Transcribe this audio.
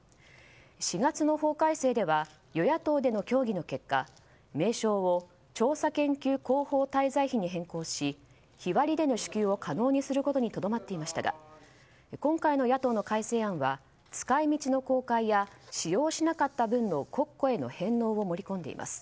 ４月の法改正では与野党での協議の結果名称を調査研究広報滞在費に変更し日割りでの支給を可能にすることにとどまっていましたが今回の野党の改正案は使い道の公開や使用しなかった分の国庫への返納を盛り込んでいます。